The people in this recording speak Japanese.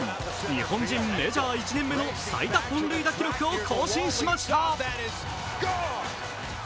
日本人メジャー１年目の最多本塁打記録を更新しました。